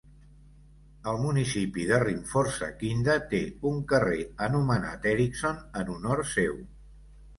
El municipi de Rimforsa Kinda té un carrer anomenat Eriksson en honor seu.